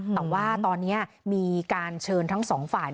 แต่ว่าตอนนี้มีการเชิญทั้งสองฝ่าย